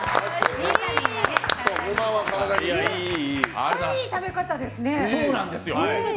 これはいい食べ方ですね。